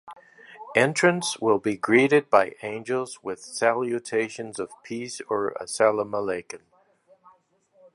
Entrants will be greeted by angels with salutations of peace or As-Salamu Alaykum.